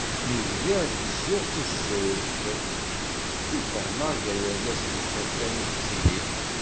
Mi bdiɣ gezzuɣ tuzzuft i fehmeɣ gar urgaz d tmeṭṭut kan i tettili.